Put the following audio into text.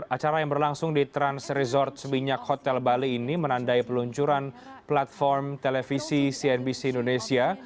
acara yang berlangsung di trans resort seminyak hotel bali ini menandai peluncuran platform televisi cnbc indonesia